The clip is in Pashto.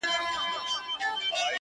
• له ستړیا یې اندامونه رېږدېدله -